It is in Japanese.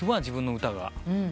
自分の歌が。